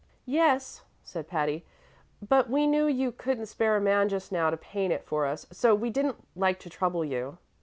"Yes," said Patty; "but we knew you couldn't spare a man just now to paint it for us, so we didn't like to trouble you."